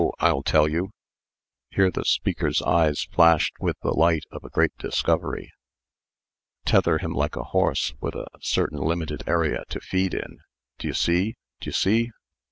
I'll tell you." Here the speaker's eyes flashed with the light of a great discovery. "Tether him like a horse, with a certain limited area to feed in. D'ye see? D'ye see?"